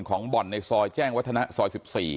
บ่อนในซอยแจ้งวัฒนะซอย๑๔